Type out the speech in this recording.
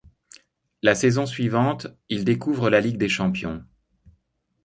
La saison suivante, il découvre la Ligue des champions.